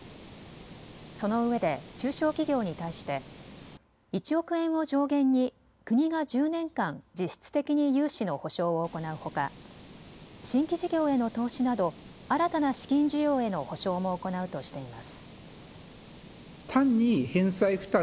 そのうえで中小企業に対して１億円を上限に国が１０年間実質的に融資の保証を行うほか、新規事業への投資など新たな資金需要への保証も行うとしています。